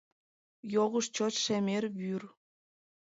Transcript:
Йогыш чот шемер вӱр!